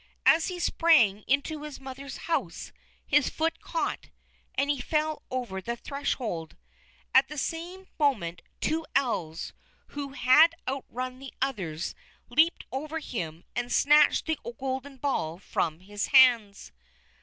As he sprang into his mother's house his foot caught, and he fell over the threshold. At the same moment two Elves, who had outrun the others, leaped over him and snatched the golden ball from his hands.